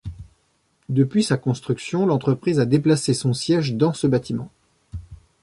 Depuis sa construction, l'entreprise a déplacé son siège dans ce bâtiment.